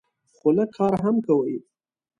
خو لږ کار هم کوي.